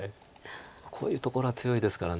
こういうところは強いですから。